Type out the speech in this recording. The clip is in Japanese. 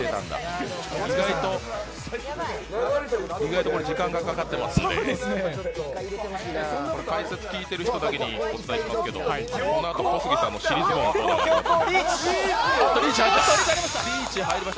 意外と時間がかかってますので解説聞いてる人だけに教えますけどこのあと小杉さんの尻相撲のコーナーがあります。